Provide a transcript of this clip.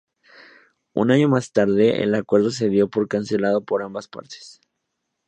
Un año más tarde el acuerdo se dio por cancelado por ambas partes.